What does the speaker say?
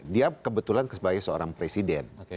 dia kebetulan sebagai seorang presiden